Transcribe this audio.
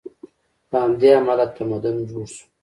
له همدې امله تمدن جوړ شو.